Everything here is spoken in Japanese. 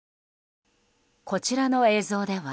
こちらの映像では。